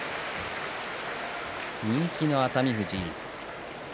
人気の熱海富士。